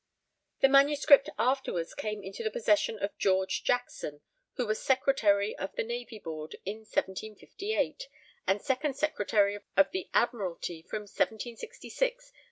The manuscript afterwards came into the possession of George Jackson, who was Secretary of the Navy Board in 1758 and Second Secretary of the Admiralty from 1766 to 1782.